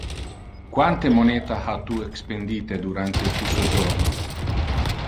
Quante moneta ha tu expendite durante tu sojorno?